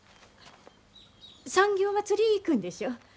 産業まつり行くんでしょ。